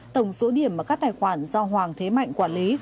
tổng số điểm mà các tài khoản do hoàng thế mạnh quản lý